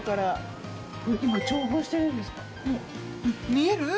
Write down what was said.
見える？